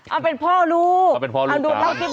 เอาเป็นพ่อลูก